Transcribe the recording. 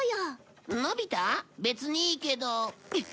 別にいいけど。